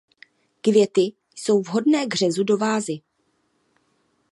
Květy jsou vhodné k řezu do vázy.